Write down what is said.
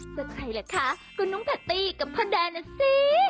ใครล่ะคะคุณนุ้งแพตตี้กับพ่อแดนน่ะสิ